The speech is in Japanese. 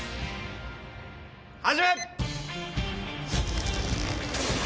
始め！